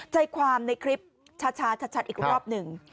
ใจความในคลิปช้าชัดอีกรอบหนึ่ง